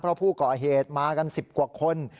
เพราะผู้ก่อเหตุมากัน๑๐กว่าคน